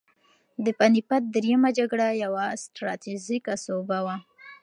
د پاني پت درېیمه جګړه یوه ستراتیژیکه سوبه وه.